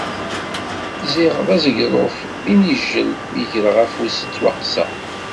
Ziɣ d aẓegḍuf d yinijjel mi greɣ afus ttwaqqseɣ.